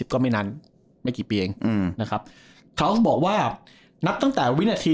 ก็ไม่นานไม่กี่ปีเองอืมนะครับเขาบอกว่านับตั้งแต่วินาที